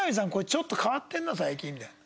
ちょっと変わってんな最近」みたいな。